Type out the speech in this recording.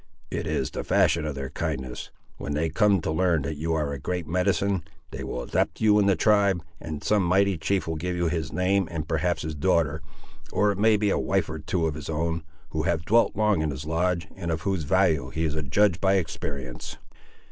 "It is the fashion of their kindness. When they come to learn that you are a great medicine, they will adopt you in the tribe, and some mighty chief will give you his name, and perhaps his daughter, or it may be a wife or two of his own, who have dwelt long in his lodge, and of whose value he is a judge by experience."